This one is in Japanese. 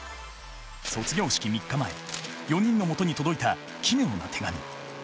卒業式３日前４人のもとに届いた奇妙な手紙。